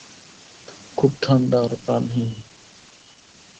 খুব ঠান্ডা আর প্রাণহীন।